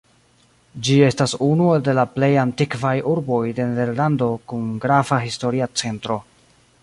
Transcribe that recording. Ĝi estas unu de la plej antikvaj urboj de Nederlando kun grava historia centro.